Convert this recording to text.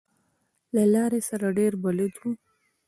له لارې سره ډېر بلد و.